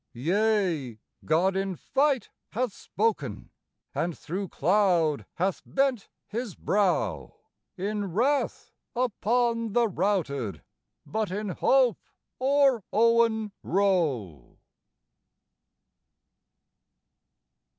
Yea, God in fight hath spoken, and thro' cloud hath bent His brow In wrath upon the routed but in hope o'er Owen Roe.